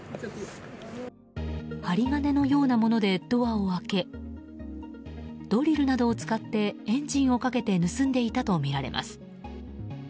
針金のようなものでドアを開けドリルなどを使ってエンジンをかけて盗んでいたとみられます。